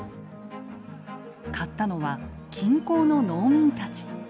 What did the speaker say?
買ったのは近郊の農民たち。